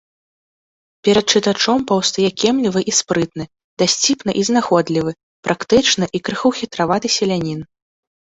Перад чытачом паўстае кемлівы і спрытны, дасціпны і знаходлівы, практычны і крыху хітраваты селянін.